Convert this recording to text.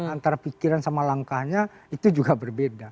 antara pikiran sama langkahnya itu juga berbeda